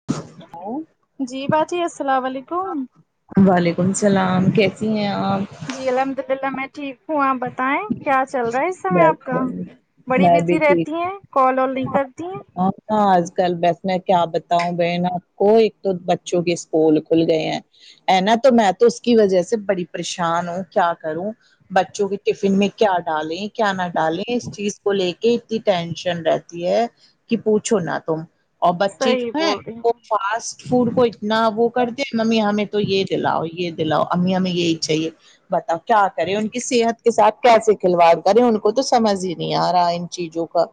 [unintelligible] جی با جی السلام و علیکم وعلیکم سلام کیسی ہیں آپ جی الحمد للہ میں ٹھیک ہوں یسپ ب بتائیں کیا چل رہا ہے اس سمے بس آپ کا بس، بڑی میں بھی بزی ٹھیک رہتی ہیں کال ول نہیں کرتی ہے ہاں ہاں آج کل بس میں کیا بتاؤں بہن آپ کو ایک تو بچوں کے اسکول کھل گئے ہیں اے نا تو میں تو اس کی وجہ سے بڑی پریشان ہوں کیا کروں بچوں کے ٹفن میں کیا ڈالیں کیا نہ ڈالیں اس چیز کو لے کے اتنی ٹینشن رہتی ہے کہ پوچھو نا تم اور بچے صحیح جو ہیں بول رہی وہ ہوں فاسٹ فوڈ کو اتنا وہ کرتے ہیں ممی ہمیں تو یہ دلاؤ یہ دلاؤ امی ہمیں یہی چاہیے بتاؤ کیا کریں ان کی صحت کے ساتھ کیسے کھلواڑ کریں ان کو تو سمجھ ہی نہیں آ رہا ان چیزوں کا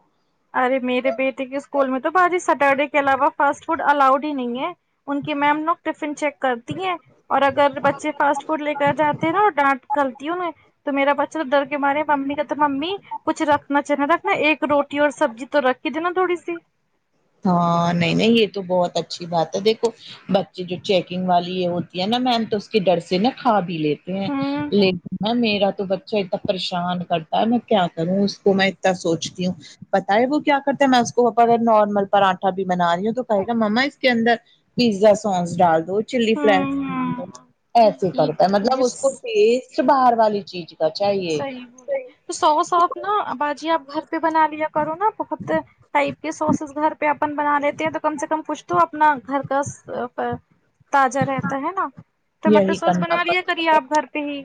ارے میرے بیٹے کے اسکول میں تو باجی سیٹرڈے کے علاوہ فاسٹ فوڈ الاؤڈ ہی نہیں ہے ان کی میم لوگ ٹفن چیک کرتی ہیں اور اگر بچے فاسٹ فوڈ لے کر جاتے ہیں نا اور ڈانٹ کلتی ہوں میں تو میرا بچہ تو ڈر کے مارے ممی کہتے ممی کچھ رکھنا چاہ نا رکھنا ایک روٹ رو ٹی اور سبزی تو رکھ کے د ینا تھوڑی سی ہاں نہیں نہیں یہ تو بہت اچھی بات ہے دیکھو بچے جو چیکنگ والی یہ ہوتی ہے نا میم تو اس کے ڈر سے نا کھا بھی لیتے ہوں لیکن میرا تو بچہ اتتا پریشان کرتا ہے میں کیا کروں اس کو میں اتنا سوچتی ہوں پتہ ہے وہ کیا کرتا ہے میں اس کو اگر نارمل پراٹھا بھی بنا رہی ہوں تو کہے گا مما اس کے اندر پیزا سانس ڈال دو چلی فلیکس ہوں کے اندر ہوں ایسے یہ کرتا ہے مطلب جس اس کو ٹیسٹ باہر والی چیج صحیح بو رہی تو سوس ساپ نا باجی آپ گھر پہ بنا لیا کرو نا بہت ٹائپ کے سوسز گھر پہ اپن بنا لیتے ہیں تو کم سے کم کچھ تو اپنا گھر کا س پ تاجا رہتا ہے نا ٹماٹو یہی سوس کرنا بنا لیا پڑتا کریے ہے آپ گھر پہ ہی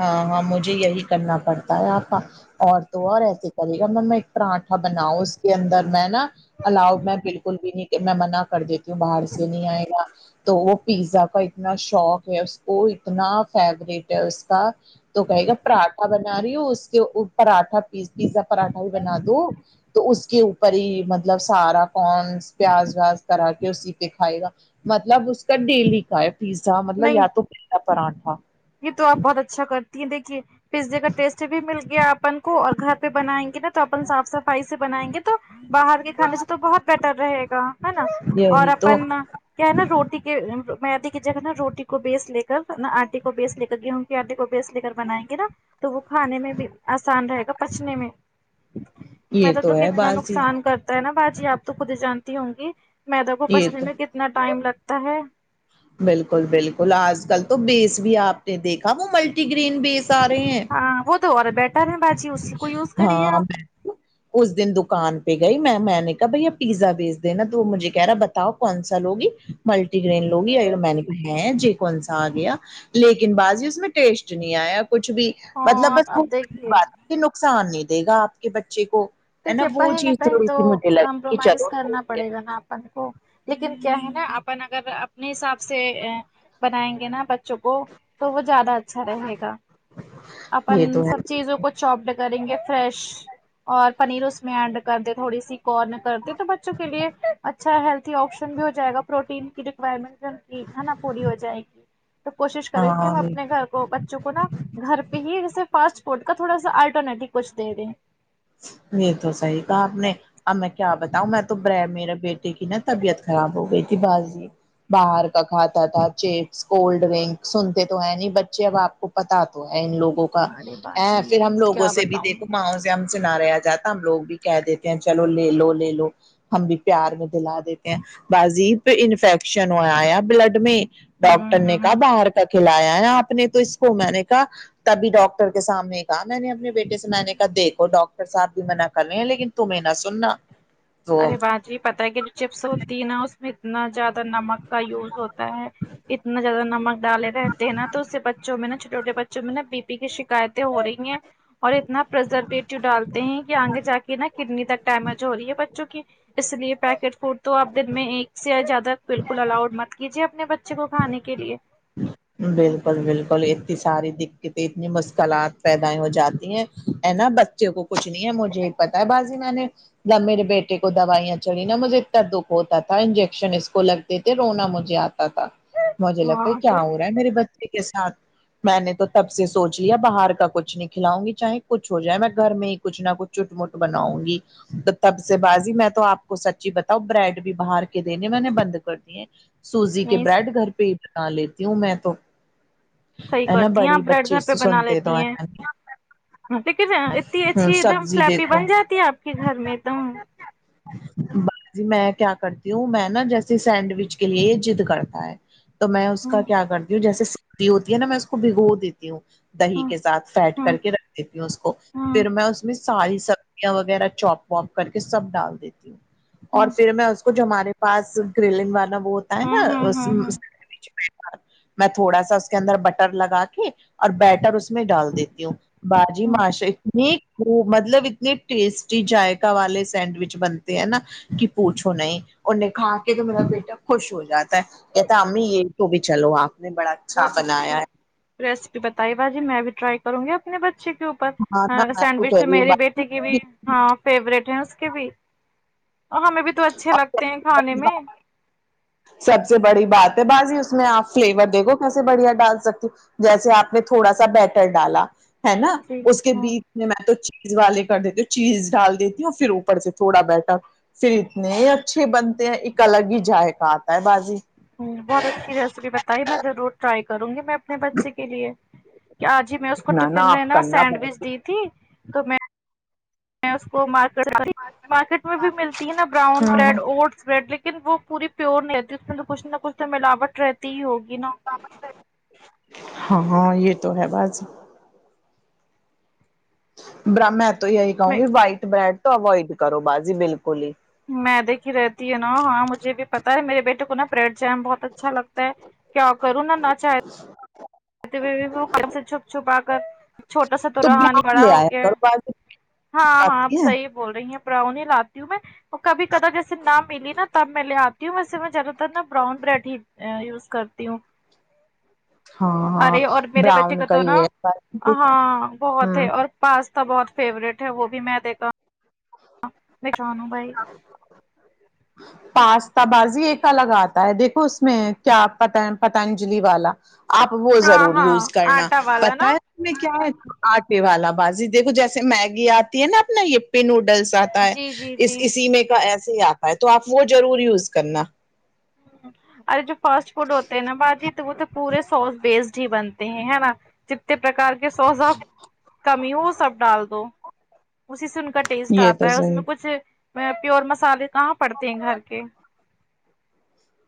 ہاں ہاں مجھے یہی کرنا پڑتا ہے آپا اور تو اور ایسے کرے گا میں میں پراٹھا بناؤ اس کے اندر میں نا الاؤ میں بالکل بھی نہیں میں منع کر دیت کی باہر سے نہیں آئے گا تو وہ پیزا کا اتنا شوق ہے اس کو اتنا فیورٹ ہے اس کا تو کہے گا پراٹھا بنا رہی ہ ہو اس کے اپر اٹا پیس کے سب پراٹھا ہی بنا دو ں تو اس کے اوپر پری مطلب سارا کا ر ن پیاز ویاز کرا کے اسی پہ کھائے گا مطلب اس کا ڈیلی کا ہے پیزا مطلب نہیں یا تو پیلا پراٹھا یہ تو آپ بہت اچھا کرتی ہیں دیکھیے پیزے کا ٹیسٹ بھی مل گیا اپن کو اور گھر پہ بنائیں گے نا تو اپن صاف صفائی سے بنائیں گے تو باہر کے کھانے سے تو بہت بیٹر رہے گا ہے نا اور یہی تو اپن کیا ہے نا روٹی کے میدے کی جگہ نا روٹی کو بیس لے کر پھر نا آٹے کو کو بیس ل کر گیہوں کے آٹے کو بیس لے کر بنا ئیں گے نا تو وہ کھانے میں بھی آسان رہے گا پچنے میں بھی یہ میدہ تو ہے کتنا بازی نقصان کر ہے نا باجی آپ تو خود ہی جانتی ہوں گی میدہ کو یہ پچنے تو میں کتنا ٹائم لگتا ہے بالکل بالکل آج کل تو بیس بھی آپ نے دیکھا وہ ملٹی گرین بیس آ رہے ہیں ہاں وہ تو اور بیٹر ہے باجی اسی کو یوز کریے آپ ہ اس دن دکان پہ گئی میں میں نے کہا بھیا پیزا بیس دینا تو مجھے کہہ رہا بتاؤ کون سا لوگی ملٹی گرین لوگی یہ میں نے کہ جی کون سا آ گیا لیکن بازی اس میں ٹیشٹ نیں آیا کچھ بھی ہاں مطلب اب بس اب دیکھیے یہ نقصان نہیں دے گا آپ کے بچے کو ہے نا دیکھیے وہ کہیں نہ چیز کہیں تھوڑی تو سی مجھے لگی کہ کمپرومائز چلو کرنا ٹھیک پڑے گا نا اپن کو لیکن کیا ہے نا اپن اگر اپنے حساب سے ا بنائیں گے نا بچوں کو تو وہ زیادہ اچھا رہے گا ہے اپن یہ تو ہے سب چیزوں کو چوپڈ کریں گے فریش اور پنیر اس میں ایڈ کر دے تھوڑی سی کارن کرتے تو بچوں کے لیے اچھا ہیلتی آپشن بھی ہو جائے گا پروٹین کی رکوائرمنٹ بھی ان ہے نا پوری ہو جائے گی تو کوشش کریں کہ ہم ہاں اپنے گھر کو بچو ں کو نا گھر پہ ہی جیسے فاسٹ فوڈ کا تھوڑا سا الٹرنیٹو کچھ دے دیں یہ تو صحیح کہا آپ نے اب میں کیا بتاؤں میں توبر میرے بیٹے کی نا طبیعت خراب ہو گئی تھی باجی باہر کا کھاتا تھا چپس کولڈ ڈرنک سنتے تو ہے نہیں بچے اب آپ کو پتا تو ہے ان لوگوں کا ارے ا باجی پھر ہم لوگوں کیا سے بھی بتاؤں دیکھو ماز نا رہ جاتا ہم لوگ بھی کہہ دیتے ہیں چلو لے لو لے لو ہم بھی پیار میں دلا دیتے ہیں بازیب پہ انفیکشن ہوا یا بلڈ میں ڈاکٹر نے کہا ہوں باہر کا کھلایا ہے آپ نے تو اس کو میں نے کہا تبھی ڈاکٹر کے سامنے میں نے اپنے بیٹے سے میں نے کہا دیکھو ڈاکٹر صاحب بھی منا کر رہے ہیں لیکن تمہیں نہ سننا تو ارے باجی پتہ ہے کہ جو چپس ہوتی ہے نا اس میں اتنا زیادہ نمک کا یوز ہوتا ہے اتنا زیادہ نمک ڈالے رہتے ہیں نا تو اس سے بچ جو میں نے چهوٹے چهوٹے بچوں میں نے بی پی کی شکیت ہو رہی ہیں اور اتنا پرزرویٹو ڈالتے ہیں کہ آگے جا کے نا کڈنی تک ڈیمج ہو رہی ہے بچوں کی اس لیے پیکٹ فوڈ تو آپ دن میں ایک سے زیادہ بالکل الاؤڈ مت کیجے اپنے بچے کو کھانے کے لیے بالکل بالکل ایک ساری دقتیں اتنی مشکلات پیدا ہو جاتی ہیں نا بس بچے کو کچھ نہیں ہے مجھے یہ پتا ہے باجی میں نے جب میرے بیٹے کو دوائیاں چڑھی نا مجھے اتنا دکھ ہوتا تھا انجیکشن اس کو لگ تے تھے رونا مجھے آتا تھا مجھے لگتا ہاں تو کیا ہو رہا ہے میرے بچے کے ساتھ میں نے تو تب سے سوچ لیا باہر کا کچھ نہیں کھلاؤں گی چاہے کچھ ہو جائے میں گھر میں ہی کچھ نہ کچھ چٹمٹ بناؤں گی تو تب سے باجی میں تو آپ کو سچی بتاؤں بریڈ بھی باہر کے دینے میں نے بند کر دیے سوزی کے نہیں بریڈ گھر پہ ہی بنا لیتی ہوں میں تو صحیح ہے نا کرتی ہیں آپ بڑی بریڈ بچی گھر پہ تو بنا سنتے تو لیتی ہیں لیکن اتنی اچھی ایک دم سبزی فلپی دیکھو بن جاتی ہے آپ کے گھر میں ایک دم با جی میں کیا کرتی ہوں میں نا جیسے سینڈوچ کے لیے یہ ضد کرتا ہے تو میں اس کا ہوں کیا کرتی ہوں جیسے سھی ہوتی ہے نا میں اس کو بھگو دیتی ہوں دہی ہوں کے ساتھ فیٹ کر ہوں کے رکھ دیتی ہوں اس کو ہوں ہوں پھر میں اس میں ساری سبزیاں وغیرہ چوپ واپ کر کے سب ڈال دیتی ہوں اور ہوں پھر میں اس کوچ جو ہمارے پاس گلنگ والا وہ ہوتا ہے نا ہوں ہوں ہوں میں تھوڑا سا اس کے اندر بٹر لگا کے اور بیٹر اس میں ڈال دیتی ہوں باجی ہوں ماشا اتنی وہ مطلب اتنے ٹیسٹی جذائقہ والے سینڈوچ بنتے ہیں نا کہ پوچھو نہیں ان نے کہا کہ تو میرا بیٹا خوش ہو جاتا کہتا ہے امی یہی تو بھی چلو آپ نے بڑا اچھا بہت اچھی بنایا ہے ریسیپی بتائی باجی میں بھی ٹرائی کروں گی اپنے بچے کے ہاں میں اوپر آپ کو سینڈوچ تو کہہ رہی میرری بیٹے کے بھی ہاں فیوریٹ ہیں اس کے بھی اور ہمیں بھی تو اچھے لگتے ہیں کھانے میں ہوں سب سے بڑی بات ہے باازی اس میں آپ فلیور دیکھو کیسے بڑھیا ڈال سکتی جیسے آپ نے تھوڑا سا بیٹر ڈالا ہے نا جی اس کے ہاں بیچ میں تو چیز والے کر دیتی ہوں چیز ڈال دیتی ہوں پھر اوپر سے تھوڑا بیٹر پھر اتنے اچھے بنتے ہیں ایک الگ ہی جذائقہ آتا ہے بازی ہمم بہت اچھی ریسپی بتائی میں ضرور ٹرائی کروں گی میں اپنے بچے کے لیے آج ہی میں اس کو نہ نہ ٹفن میں آپ نا کرنا سینڈوچ بازی۔ دی تھی تو میں میں اس مارکیٹ مارکیٹ میں بھی ملتی ہے نا براؤن بریڈ اوٹس بریڈ ل لیکن وہ پوری پیور نہیں رہتی اس میں تو کچھ نہ کچھ تو ملاوٹ رہتی ہی ہوگی نا ہاں ہاں یہ تو ہے باجی بر میں تو یہی کہوں گی وائٹ بریڈ تو اوائڈ کرو باجی بالکل ہی میدے کی رہتی ہ نا ہاں مجھے بھی پتا ہے میرے بیٹے کو نا بریڈ جام بہت اچھا لگتا ہے کیا کروں نا نا چاہ وہ کام سے چھپ چھو پا کر چھوٹا سا تو راہانی براؤن بڑا لے ہو آیا گیا ہے کرو بازی ہاں ہاں آپ آتی ہے صحیح بول رہی ہیں پراؤ نی لاتی ہوں میں اور کبھی کدہ جیسے نہ ملی نا تب میں لے آتی ہوں ویسے میں زیادہ تر نا براؤن بریڈ ہی یوز کرتی ہوں ہاں ہاں ارے اور میرے بچے کا براؤن تو نا ہی ہے بازی، ہاں بہت ہے ہوں اور پاستا بہت فیوریٹ ہے وہ بھی میدے کا [unintelligible] پاستا بازی ایک الگ آتا ہے دیکھو اس میں کیا پت پتنجلی والا آپ وہ ہاں ضرور یوز ہاں کرنا آٹا والا پتہ نا ہے میں کیا ہے آٹے والا بازی دیکھو جیسے میگی آتی ہے نا اپنا یپی نوڈلس ہے جی جی اس جی اسی میں کا ایسے ہی آتا ہے تو آپ وہ ضرور یوز کرنا اور جو فاسٹ فوڈ ہوتے ہیں نا باجی تو وہ تو پورے سوس بیسڈ ہی بنتے ہیں ہے نا جتنے پراکار سوزا کمی ہو سب ڈال دو اسی سے ان کا ٹیسٹ یہ آتا تو ہے اس صحیح میں کچھ پیور مسالے کہاں پڑتے ہیں گھر کے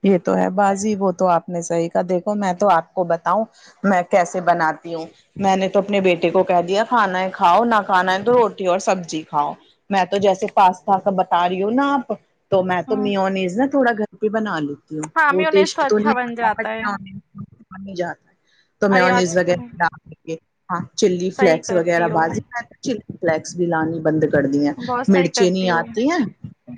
یہ تو ہے بازی وہ تو آپ نے صحیح کہا دیکھو میں تو آپ کو بتاؤں میں کیسے بناتی ہوں میں نے تو اپنے بیٹے کو کہہ دیا کھانا ہے کھاؤ نہ کھانا ہے تو روٹی اور سبزی کھاؤ میں تو جیسے پاستا س بتا رہی ہوں نا آپ تو میں تو ہوں میونیز نا تھوڑا گھر پہ بنا لوں ہاں وہ میونیز ٹیسٹ تو اچھا بن نہیں جاتا ہے آتا [unintelligible] جاتا تو ارے میںز آج کل وغیرہ ہاں چلی صحیح فلیکس وغیرہ کرتی ہو باجی چ فلیکس بھی لانی بند کر کر دی ہیں بہت صحیح مرچیں نہیں کرتی ہو آتی ہیں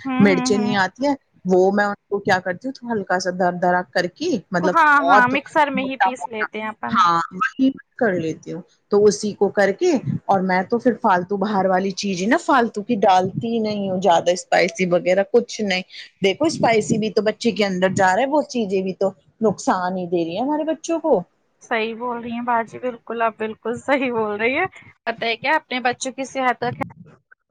ہوں ہوں مرچیں نہیں ہوں آتی ہے وہ میں وہ کیا کرتی تو ہلکا سا در درا کر کے مطلب ہاں ہاں بہت مکسر میں ہی موٹا پیس موٹا لیتے ہیں اپن ہاں وہی میں کر لیتی ہوں تو اسی کو کر کے اور میں تو پھر فالتو باہار والی چیز ہی نا فالتو ڈالتی نہیں ہ زیادہ اسپائسی وغیرہ کچھ نہیں دیکھو اسپائسی بھی تو بچے کے اندر جا رہا ہے ب چیزیں بھی تو نقصان ہی دے رہی ہیں ہمارے بچوں کو صحیح بول رہی ہیں باجی بالکل اپ بالکل صحیح بول رہی ہیں بتا ہے کیا اپنے بچوں کی صحت کا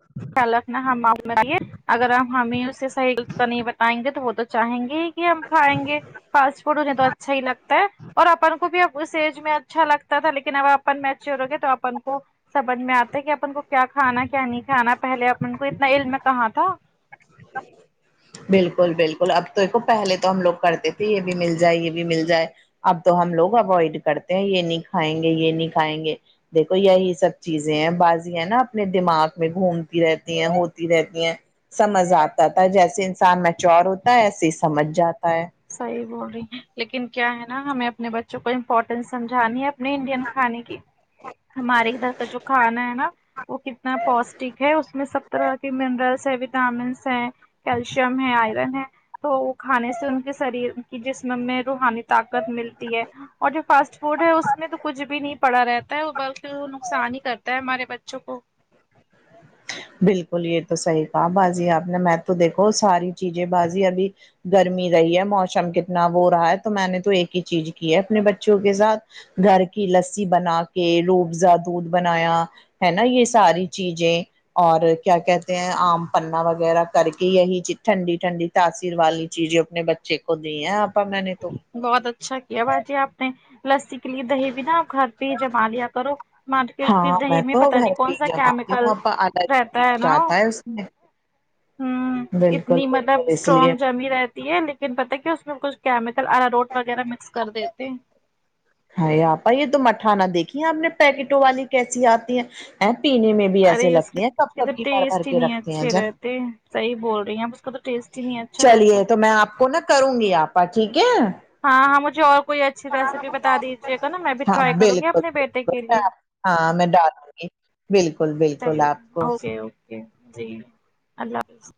ہ خیال رکھنا ہم اے اگر ہمیں اس سے صحی کا نہیں بتائیں گے تو وہ تو چاہیں گے کہ ہم کھائیں گے فاسٹ فوڈ انہیں تو اچھا ہی لگتا ہے اور اپن کو بھی ا اس ایج میں اچھا لگتا تھا لیکن اب آپ اپن مئیچور ہوگے تو اپن کو سمجھ میں آتا ہے کہ اپن کو کیا کھانا کیا نہیں کھانا پہلے اپن کو اتنا علم کہاں تھا بالکل بالکل اب تو دیکھو پہلے تو ہم لوگ کرتے تھے تو یہ بھی مل جائے یہ بھی مل جائے اب تو ہم لوگ اوائڈ کرتے ہیں یہ نہیں کھائیں گے یہ نہیں کھائیں گے دیکھو یہی سب چیزیں ہیں بازی ہے نا اپنے دماغ میں گھومتی رہتی ہیں ہوتی رہتی ہیں سمجھ آتا تھا جیسے انسان میچور ہوتا ہے ایسے ہی سمجھ جاتا ہے صحیح بول رہی ہیں لیکن کیا ہے نا ہمیں اپنے بچوں کو امپورٹینس سمجھانی ہے ہم نے انڈین کھانے کی ہمارے ادھر کا جو کھانا ہے نا وہ کتنا پوشٹک ہے اس میں سب طرح کے منرلس ہے وٹامنس ہے کیلشیم ہے آئرن ہے تو وہ کھانے سے ان کے شریر کی جسم میں روحانی طاقت ملتی ہے اور جو فاسٹ فوڈ ہے اس میں تو کچھ بھی نہیں پڑا رہتا ہے وہ بلکہ وہ نقصان ہی کرتا ہے ہمارے بچوں کو بالکل یہ تو صحیح کہا بازی آپ نے میں تو دیکھو ساری چیزیں بازی ابھی گرمی رہی ہے موسم کتنا وہ رہا ہے تو میں نے تو ایک ہی چیز کی ہے اپنے بچوں کے ساتھ گھر کی لسی بنا کے روبزا دودھ بنایا ہے نا یہ ساری چیزیں اور کیا کہتے ہیں آم پنا وغیرہ کر کے یہی چیز ٹھنڈی ٹھنڈی تاثیر والی چیزیں اپنے بچے کو دی ہیں آپا میں نے تو بہت اچھا کیا باجی آپ نے لسی کے لیے دہی بھی نا گھر پہ ہی جما لیا کرو مارکیٹ کی ہاں دہی میں تو پتا گھر نہیں پہ کون ہی سا جماتی ہوں کیمیکل اپا الگ ہی رہتا ٹیسٹ نا اتا ہے اس میں ہوں بالکل اتنی مطلب بالکل اس لیے اسٹرانگ جم رہ تی لیکن پتا کیا اس میں کچھ کیمیکل اراروٹ وغیرہ مکس کر دیتے ہ آپائی یہ تو مٹھانا دیکھی ہے آپ نے پیکٹوں والی کیسی آتی ہیں ہیں، پینے میں بھی ارے ایسے اس کے لگتی ہیں کب کب توھر کی بھر بھر ٹیسٹ ہی کے نہیں رکھتے ہیں اچھے جب رہتے صحیح بول رہی ہیں اس کو تو ٹسٹ ہی نہیں اچھا چا لگ لیے تو میں آپ کو نا کروں گی آپا ٹھیک ہے ہاں ہاں مجھے اور کوئی اچھی ریسیپی بھی بتا دیجیے گا نا میں بھی ہاں ٹرائی کروں گی بالکل اپنے بیٹے بالکل کے میں لیے آپ- ہاں میں ڈالوں گی بالکل بالکل چالیے آپ کو اوکے اوکے جی اللہ حافظ